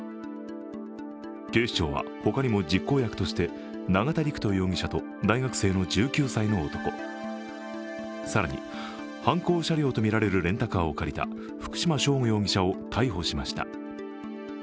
警視庁は、他にも実行役として永田陸人容疑者と大学生の１９歳の男、更に犯行車両とみられるレンタカーを借りた福島聖悟容疑者を逮捕しました。